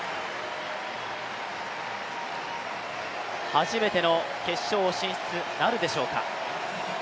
初めての決勝進出なるでしょうか。